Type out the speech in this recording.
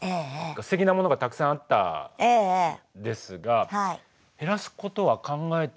ステキなものがたくさんあったんですが減らすことは考えてらっしゃるのか？